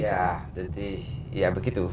ya jadi begitu